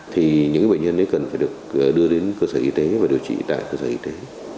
thì những bệnh nhân cần phải được đưa đến cơ sở y tế và điều trị tại cơ sở y tế